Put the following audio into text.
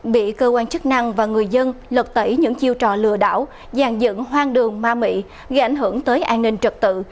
bị cơ quan chức năng và người dân lật tẩy những chiêu trò lừa đảo giàn dựng hoang đường ma mị gây ảnh hưởng tới an ninh trật tự